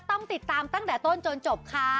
ต้องติดตามตั้งแต่ต้นจนจบค่ะ